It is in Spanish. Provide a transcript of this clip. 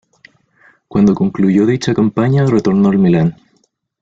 Cuando concluyó dicha campaña, retornó al Milan.